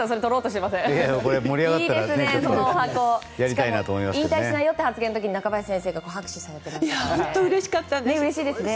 しかも引退しないよという発言の時に中林先生拍手されていましたね。